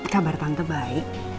kabar tante baik